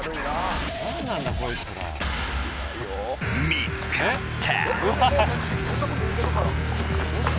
見つかった。